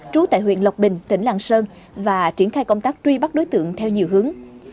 trú tại huyện lộc bình tỉnh lạng sơn và triển khai công tác truy bắt đối tượng theo nhiều hướng